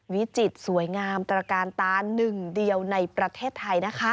วิจิตรสวยงามตระกาลตาหนึ่งเดียวในประเทศไทยนะคะ